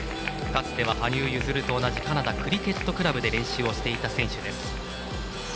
かつては羽生結弦と同じカナダクリケットクラブで練習していた選手です。